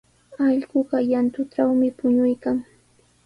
Allquqa llantutrawmi puñuykan.